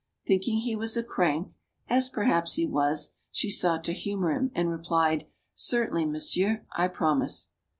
Thinking he was a crank as perhaps he was she sought to humor him, and replied: "Certainly, monsieur. I promise."